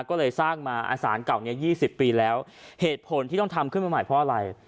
ก็เลยสร้างมาอาสารเก่านี้๒๐ปีแล้วเหตุผลที่ต้องทำขึ้นมาใหม่เพราะอะไร